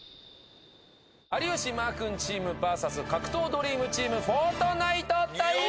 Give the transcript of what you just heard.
有吉・マー君チームＶＳ格闘ドリームチームフォートナイト対決！